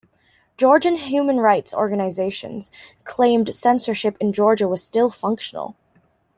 Georgian human rights organizations claimed censorship in Georgia was still functional.